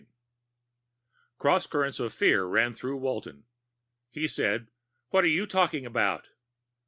X Crosscurrents of fear ran through Walton. He said, "What are you talking about?"